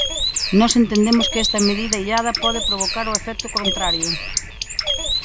Nós entendemos que esta medida illada pode provocar o efecto contrario.